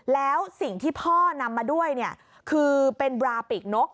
แล้วสิ่งที่พ่อนำมาด้วยคือเป็นบราปีกนก